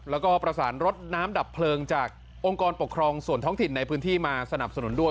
แล้วก็ประสานรถน้ำดับเพลิงจากองค์กรปกครองส่วนท้องถิ่นในพื้นที่มาสนับสนุนด้วย